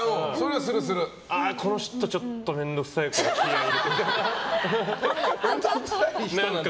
この人ちょっと面倒くさいから気合入れていこうとか。